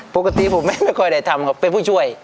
ปกติผมไม่ค่อยได้ทำครับเป็นผู้ช่วย